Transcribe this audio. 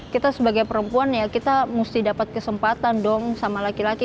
kita sebagai perempuan ya kita mesti dapat kesempatan dong sama laki laki